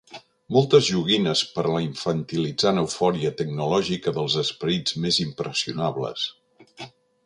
Moltes joguines per a la infantilitzant eufòria tecnològica dels esperits més impressionables.